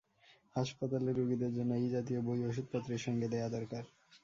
হাসপাতালের রুগীদের জন্যে এই জাতীয় বই অষুধপত্রের সঙ্গে দেওয়া দরকার।